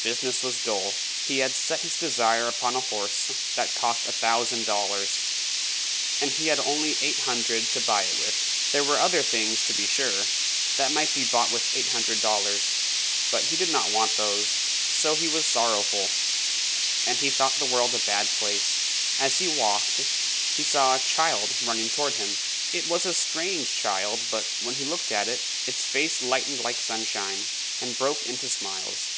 Business was dull; he had set his desire upon a horse that cost a thousand dollars, and he had only eight hundred to buy it with. There were other things, to be sure, that might be bought with eight hundred dollars, but he did not want those; so he was sorrowful, and thought the world a bad place. As he walked, he saw a child running toward him; it was a strange child, but when he looked at it, its face lightened like sunshine, and broke into smiles.